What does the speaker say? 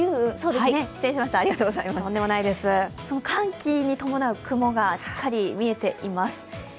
寒気に伴う雲がしっかり見えています。